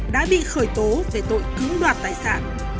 đã bị khởi tố về tội cưỡng đoạt tài sản